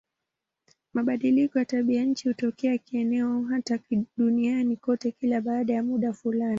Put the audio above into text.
Mabadiliko ya tabianchi hutokea kieneo au hata duniani kote kila baada ya muda fulani.